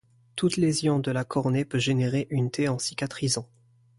Toute lésion de la cornée peut générer une taie en cicatrisant.